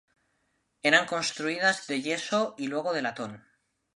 Eran construidas de yeso y luego de latón.